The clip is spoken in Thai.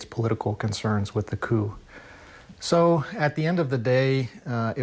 เสียงเรื่องศิลปิจารย์สหรัฐด้วยคู่